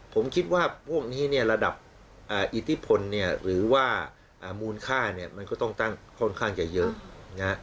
ผมคิดว่าพวกนี้ระดับอิทธิพลหรือว่ามูลค่ามันก็ต้องตั้งค่อนข้างจะเยอะ